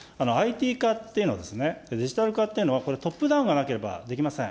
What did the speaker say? ＩＴ化っていうのはですね、デジタル化っていうのは、これ、トップダウンがなければできません。